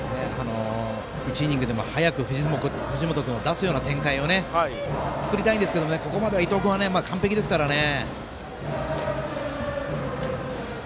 １イニングでも早く藤本君を出すような展開を作りたいんですけれどもここまで伊藤君は完璧ですからね。